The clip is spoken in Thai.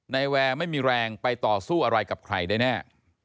แวร์ไม่มีแรงไปต่อสู้อะไรกับใครได้แน่